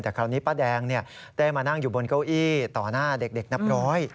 แต่คราวนี้ป้าแดงได้มานั่งอยู่บนเก้าอี้ต่อหน้าเด็กนับร้อย